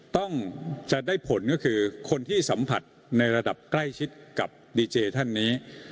ต้องจะได้ผลก็คือคนที่สัมผัสในระดับใกล้ชิดกับดีเจท่านนี้